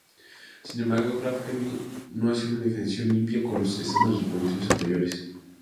Sin embargo, Krafft-Ebing no hacia una diferenciación limpia con los estándares reproductivos anteriores.